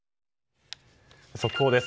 速報です。